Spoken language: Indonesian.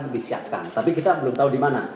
disiapkan tapi kita belum tahu dimana